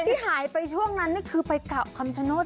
ที่หายไปช่วงนั้นนี่คือไปเกาะคำชโนธ